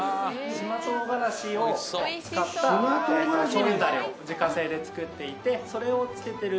島唐辛子を使った醤油ダレを自家製で作っていてそれを漬けてる。